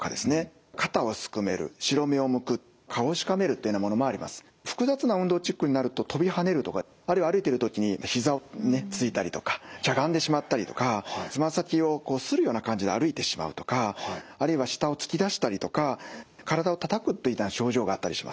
例えば単純なものでありますと複雑な運動チックになると跳びはねるとかあるいは歩いている時にひざをついたりとかしゃがんでしまったりとかつま先をするような感じで歩いてしまうとかあるいは舌を突き出したりとか体をたたくといった症状があったりします。